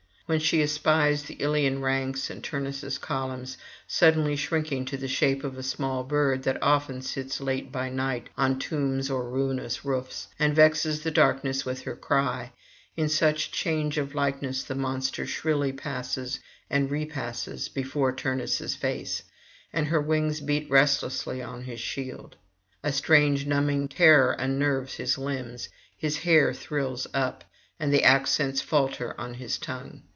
When she espies the Ilian ranks and Turnus' columns, suddenly shrinking to the shape of a small bird that often sits late by night on tombs or ruinous roofs, and vexes the darkness with her cry, in such change of likeness the monster shrilly passes and repasses before Turnus' face, and her wings beat restlessly on his shield. A strange numbing terror unnerves his limbs, his hair thrills up, and the accents falter on his tongue.